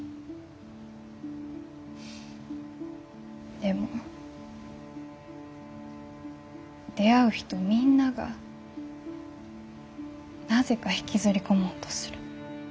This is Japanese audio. でも出会う人みんながなぜか引きずり込もうとする。